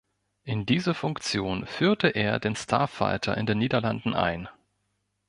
In dieser Funktion führte er den Starfighter in den Niederlanden ein.